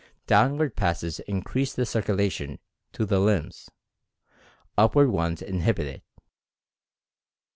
Downward passes increase the circulation to the limbs — upward ones inhibit it.